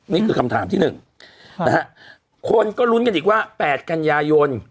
นี่คือคำถามที่๑นะฮะคนก็ลุ้นกันอีกว่า๘กันยายน